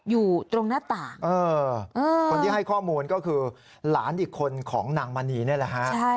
อยู่ตรงหน้าต่างคนที่ให้ข้อมูลก็คือหลานอีกคนของนางมณีนี่แหละฮะ